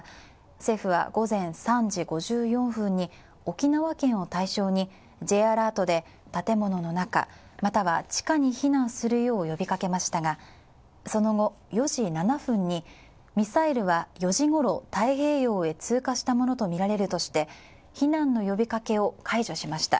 政府は午前３時５４分に沖縄県を対象にＪアラートで建物の中、または地下に避難するよう呼びかけましたがその後、４時７分にミサイルは４時ごろ太平洋へ通過したものとみられるとして避難の呼びかけを解除しました。